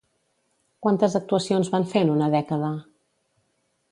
Quantes actuacions van fer en una dècada?